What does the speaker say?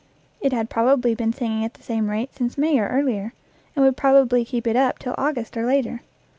It had probably been sing ing at the same rate since May or earlier, and would probably keep it up till August or later.